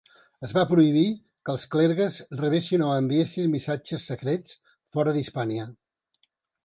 Es va prohibir que els clergues rebessin o enviessin missatges secrets fora d'Hispània.